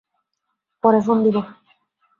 পরে ফোন দিব।